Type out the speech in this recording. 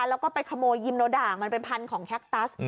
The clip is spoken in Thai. แล้วก็ไปขโมยยิมโนด่างมันเป็นพันธุ์ของแคคตัส